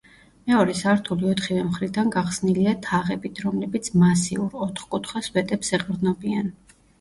მეორე სართული ოთხივე მხრიდან გახსნილია თაღებით, რომლებიც მასიურ, ოთხკუთხა სვეტებს ეყრდნობიან.